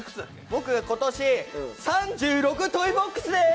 僕、今年３６トイボックスです。